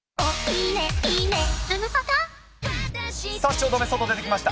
汐留、外出てきました。